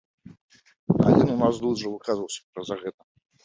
Адзін у нас дужа выказваўся за гэта.